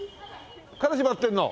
彼氏待ってるの。